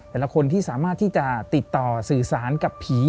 แต่ละคนที่สามารถที่จะติดต่อสื่อสารกับผี